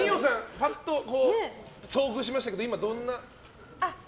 パッと遭遇しましたけど今、どんな？